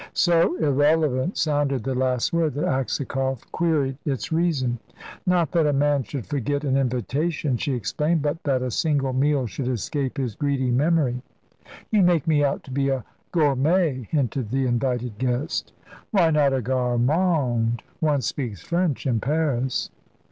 So irrelevant sounded the last word that Aksakoff queried its reason. "Not that a man should forget an invitation," she explained; "but that a single meal should escape his greedy memory." "You make me out to be a gourmet," hinted the invited guest. "Why not a gourmand? One speaks French in Paris."